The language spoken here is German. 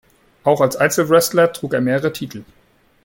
Auch als Einzelwrestler trug er mehrere Titel.